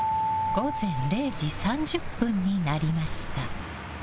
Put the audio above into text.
午前０時３０分になりました。